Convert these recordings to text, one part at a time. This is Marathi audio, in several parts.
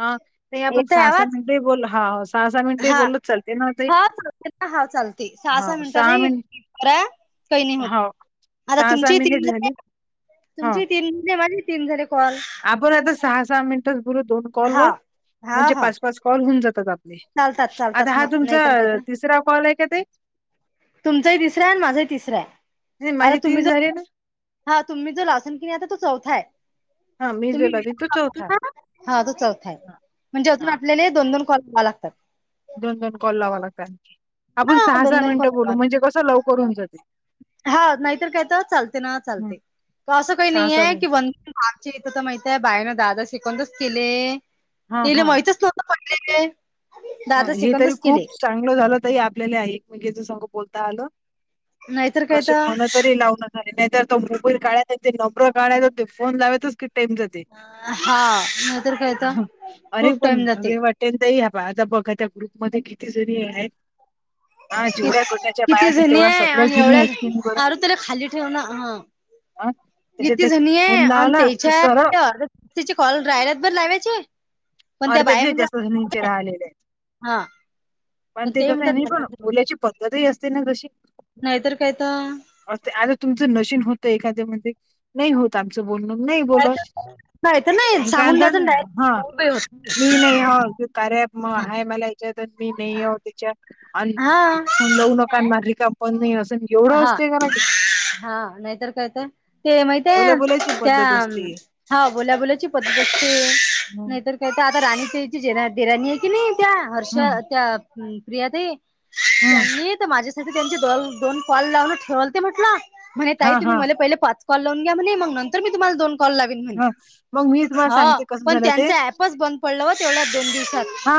हा ते आपण येतोय सास आवाज मि बोल हा स हा हा चालते ना हा चालते सहा हां, सहा मिनटांनी एक मिनिट एक करा. काही नाही होत हो, आता तुमची तीन मिनिट झाले. हां, तुमची तीन मु माझ तीन झाले कॉल. आपण आता सहा सहा मिनिटच बोलू दोन कॉल हा वर हा म्हणजे हा पाच पाच कॉल होऊन जातात आप चालतात आता चालतात हा ना तुमचा नाहीतर काय तर तिसरा कॉल आहे का ते? तुमचाही तिसरं आणि माझाही तिसरं नाही आहे अर माझे तुम्ही जर झाले एकास ना? हा तुम्ही जो लासन किनी आता तो चौथा आहे. हां, मी जो तुम्ही लावीन तो चौथा. हा तो चौथा आहे. हां, म्हणज अजून आपल्याने दोनोन कॉल करावं लागतात. दोन दोन कॉल लावा लागतात आणखी आपण हा सहा दोन सहा दोन मिनटं बोलू कॉल म्हणजे कसं लवकर होऊन जाते. हा नाहीतर काय तर चालते ना हं, चालते असं काही नाहीये की व मिनिटं. आमच्या इथं तर माहित आहे बाय नां दादा शिकवूनच केले हां, तले हां, माहितच नव्ह पले आहे. हा हे तरी खूप चांगलं झालं त आपल्याला एकमेकच संग बोलता आलं. नाहीतर काय कशी तर फोन तरी लावून. अरे नाही तर तो मोबाईल काढायचं ते नंबरं काढायचं ते फोन लावायतच की टईम ज हा नाहीतर काय तर अरे खूप पण टाइम जाते हवे वाट दई ह बा आता बघा त्या ग्रुप मध्ये किती जणी आहेत. हा [inaudible] कि जेवढ्या गटाच्या बाया किती असतात जणी तेवढ्या आहे सगळ्याच आणि जणी आहेत की नाही बरं एवढ्या अर तरी खाली ठेव ना हा. हा. किती त्याच्यातले जणी आहे फोन आणि लावला की त्याच्या सरळ कॉल राहिल्यात बरं लावायचे. पण त्या अर्ध बाया फि जास नचे म्हणतात राहिलेले. हा पण ते कसंय नाही पण बोलाची पद्धतही असते ना जशी. नाहीतर कायता. अस आता तुमचं नशीन होतं एखाद्या म्हणे नाही होत आमचं बोलणं नाही बोल नाही आणि काय हा. बाईम मी नाही हो कार्य ॲप मग आहे मला याच्यातून मी नाही हा. हो त्याच्यात. आणि फोन लाऊ नका आणि मझली काम पण नाही असं बी हा हा नाहीतर कायत ते बोला माहितये बोलायची त्या. पद्धत असते. हा बोला बोलाची पत्रते हम्म नाहीतर. आता राणीचे ज देराणी आहे की नाही त्या हर्ष हम्म त्या प्रिया ताई. हम्म त्यांनी तर माझ्यासाठी त्यांचे दल दोन कॉल लावून ठेवलते म्हटलं. म्हणे हा हा तुम्ही मला पहि पाचॉ लावून घ्या म्हणे मग नंतर मी तु्हाला दोन कॉल ला ह मग मी तुम्हाला सांगते कसं पण झालं ते त्यांच ऍपच बंद पडलं हो तेवढ्या दोन दिवसात. हा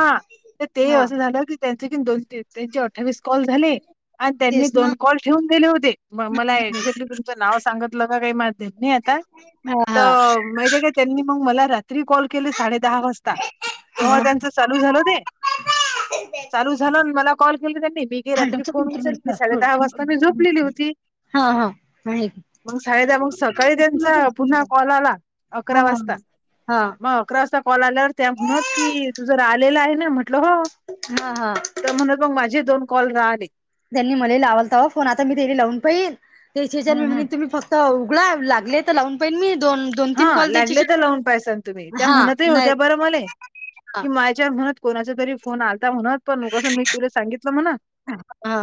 तर ते हा असं झालं की त्यांच की दोस दे त्यांचे अठ्ठावीस कॉल झाले आणि त्यांनी तेच ना दोन कॉल ठेवून दिले होते म मला एक्झॅक्टली पण चा नाव सांगतलं का काही मारतेत नाही आता. ह. त माहिती आहे का त्यांनी मग मला रात्री कॉल केले साडे दहा वाजता. तेव्हा त्यांच चालू झालं ते चालू [unintelligible] झालं मला कॉल केलं त्यांनी मी गे रात्री हाडोचा फोन कंट्रोल उचलली साडे असतो. दहा वाजता मी झोपलेली होती. हा हा आहे की. मंग सायद मग सकाळी त्यांचा पुन्हा कॉल आला हा अकरा हा वाजता हा मग अकरा वाजता कॉल आल्यावर त्या म्हणत की तू जरा आलेला आहे ना म्हटलं हो. हा हा. तर म्हणून मग माझे दोन कॉल राहले त्यांनी मले लावालता फोन आता मी तेली लावून पाहीन त्याच्याच्या हम्म म्हणे हम्म. तुम्ही फक त उघडा लागले तर लावून पाहीन मी दोन दोन हा तीन कॉल लागले त्याच्याच्या तर लावून पैसान तुम्ही त्या हा म्हणत ही नाही होत्या बरं मले. हा कि मायाच्या मम्हणत कोणाचा तरी फोन आलता म्हणत. पण उगसं मी तुले सांगितलं म्हणा हा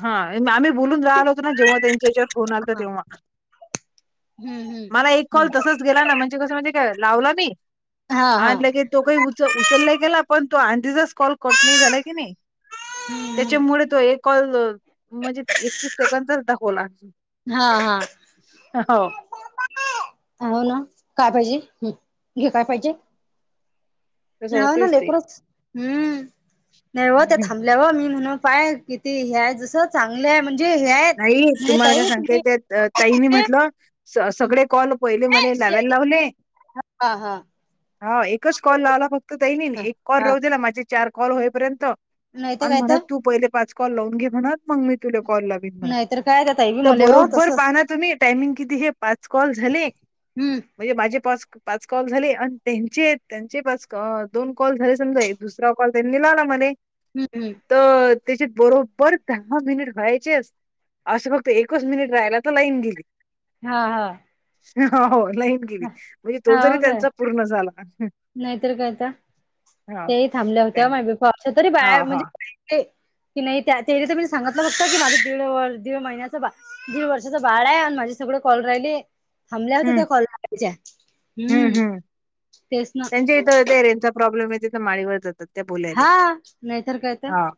हा आम्ही बोलून लायल होत ना जेव्हा त्यांच्याच्यावर फोन आ हा तेव्हा हम्म हम्म मला एक कॉल हम्म तसच गेला ना म्हणजे कसं म्हणजे काय लावला मी हा हा आणि ले के तो काही उच उचललाय गेला पण तो आंटीचाच कॉल कट नाही झालाय की नाही. हम्म त्याच्यामुळे तो एक कॉल अ म्हणजे एकतीस सेकंड चा दाखवला. हा हा. हो हो ना काय पाहिजे हम्म घे काय पाहिजे. तसं ह्याव ना होतेच ते लेकरच हम्म नाहीव त्या थांबल्यावर मी म्हण पाय किती ह्याय जसत नाही तुम्हाला काय ताई सांगते तुम्ही त्या ताईनी म्हटलं स सगळे कॉल पहिले मले लावये लावले. आ हा. हा एकच कॉल लावला फक्त ताई मीन ह एक कॉल हा राहू देला माझे चार कॉल होईपर्यंत. नाहीतर आणि काय म्हणत तर तू पहिले पाच कॉल लावून घे म्हणत मग मी तुला कॉल लाग नाही तर काय त्या ताई बी तर मले हो बरोबर पाह तसच ना तुम्ही टायमिंग किती हे पाच कॉल झाले. हम्म वय माझे पाच पाच कॉल झाले आणि त्यांचे त्यांचे पाच दोन कॉल झाले समजा एक दुस ट्र कॉल त्यांनी लावला म्हणे. हम्म हम्म. तर त्याच्यात बरोबर दहा मिनिट व्हायेत. चेस असं फक्त एकच मिनिट राहीला तर लाईन गेली. हा हा. हो लाईन गेली म्हणजे तो जरी हाव काय त्यांचा पूर्ण झाला हम्म. नाहीतर काय आता तेही थांबल्या होत्या मा बी [unintelligible] तरी बाया हा म्हणजे ते की नाही त्या त्यारी तर मी सांगितलं फक्त की माझा दीड व दीड महिन्याचा बा दीड वर्षाचं बाळ आहे आणि माझे सगळ कॉल राहिले. थांबल्या होता हम्म त्या तर कॉलचा हम्म. तेच ना त्यांच्या इथं ते रेंजचा प्रॉब्लेम आहे तिथं माळीवर जातात. त्या बोलायली हा नाहीतर काय तर हा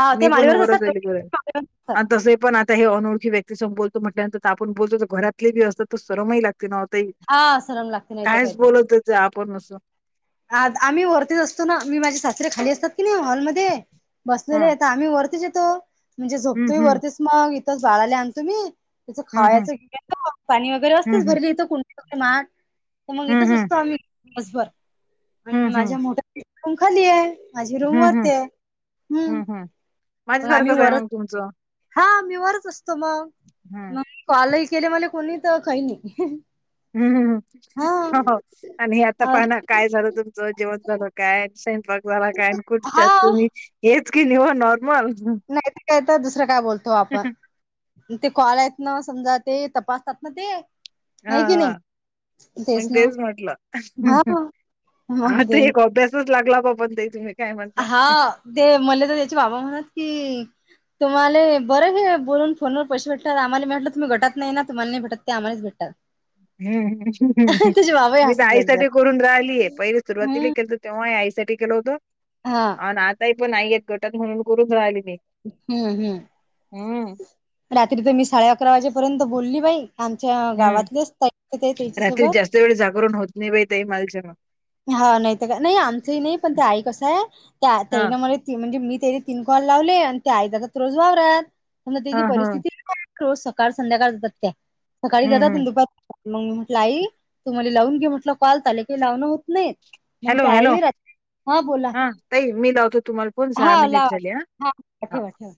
हा मी ते पण माळीवरच वरच राली कर. असतात आणि तसं पण आता हे अनोळखी व्यक्ती सम बोलतो म्हटल्यानंतर आपण बोलतो तर घरातले बी असतात तर सरमही लागतेय नव्हतही. हा सरम लागते नाही तर काय काहीच तर बोलत जा आपण असं. आ आम्ही वरतीच असतो ना मी माझी सासरे खाली असतात की नाही हॉलमध्ये ह बसलेले आहेे का आम्ही वरतीच येतो म्हणजे हम्म झोपतोय हम्म वरतीच मग इथच बाळाला आणतो मी. त्याचं हम्म खावायचं घे पाणी वगैरे असतेच हम्म भरले इथं कुं मान तर मंग इथंच हम्म हम्म असतो आम्ही दिवसभर. आन हम्म हम्म हम्म माझ्या मो [inaudible] रूम खाली आहे माझी रूम हम्म हम्म वरती आहे हम्म. पण आम्ही वर तुमचा हा मी वरच असतो मग हम्म मग कॉलही केले मला कोणी तर काही नाही. हम हम्म हा हो हो आणि हे आता पहा ना काय झालं त जेवण झालं काय स्वयपाक झाला काय? कुठच्या हा. तुम्ही? येत की निव नो बोल हं नाहीत का तर दुसरं काय बोलतो आपण? ते कॉल आहेत ना समजा ते तपासतात ना ते हा आहे की हा नाही मग तेच म्हटलं हा हहह मग आता ते एक ओबिव्यस तूच लागला बाबा अन् द्यायचं मी हा हा ते म्हले तर त्याचे बाबा म्हणत की तुम्हाले बरं हे बोलून फोनवर पैसे भेटतात आम्हाला भेटलं तुम्ही गटात नाही ना तुम्हाला नाही भेटत ते आम्हाला भेटातात. हम्म हम्म हम्म मी तर हसत जात जात. आईसाठी करून राहिलीय पहिले सुरुवातीला हम्म केलत तेव्हा आई साठी केलं होतं. हा. अन आताही पण नाहीयेत गटात म्हणून करून राहिली ती. हम्म हम्म हम्म. रात्री तर मी साडे अकरा वाजेपर्यंत बोलली बाई आमच्या गावातलेच ते त्याच्या सोबत. चे वेळ जागरण होत नाही बाई ते माया हेच्यानं हा नाही तर का नाही आमचंही नाही पण ते आई कसं आहे हा ताईन मुळे ती म्हणजे मी तेचे तीन कॉल लावले आणि ते आई जत रोज वावरत अन त्याची हा हा परिस्थिती रोज सकाळ संध्याकाळ जातेय सकाळी हम्म जातात हम्म दुपार मग मी म्हटलं आई तुम्हाला लावून घे म्हटलं कॉलत आले की लावणं होत नाहीत. मग ती हॅलो आली हॅलो होय रात्री? हा बोला, ताई मी लावतो तुम्हाला फोन सहा हा मिनिट लावा. झाले हा ठेवा ठेवा.